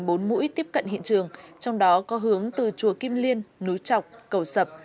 bốn mũi tiếp cận hiện trường trong đó có hướng từ chùa kim liên núi chọc cầu sập